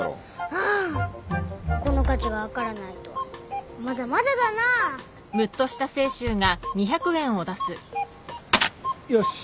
ああこの価値が分からないとはまだまだだなぁ。よし！